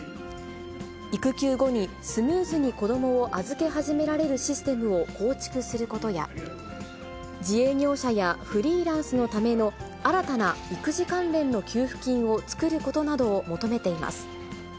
育休後にスムーズに子どもを預け始められるシステムを構築することや、自営業者やフリーランスのための新たな育児関連の給付金を作ることなどを求めています。